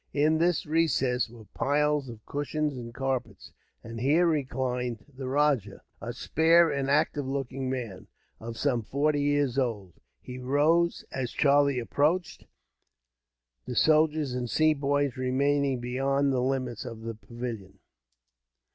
In this recess were piles of cushions and carpets, and here reclined the rajah, a spare and active looking man, of some forty years old. He rose, as Charlie approached, the soldiers and Sepoys remaining beyond the limits of the pavilion.